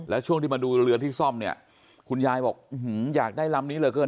แล้วช่วงที่มาดูเรือที่ซ่อมเนี่ยคุณยายบอกอยากได้ลำนี้เหลือเกิน